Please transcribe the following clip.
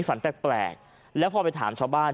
ฝันแปลกแล้วพอไปถามชาวบ้าน